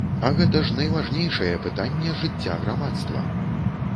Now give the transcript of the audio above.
А гэта ж найважнейшае пытанне жыцця грамадства.